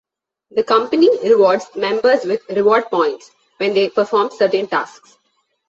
The company rewards members with 'reward points' when they perform certain tasks.